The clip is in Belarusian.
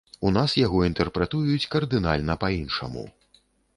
У нас яго інтэрпрэтуюць кардынальна па-іншаму.